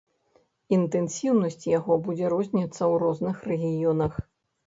Інтэнсіўнасць яго будзе розніцца ў розных рэгіёнах.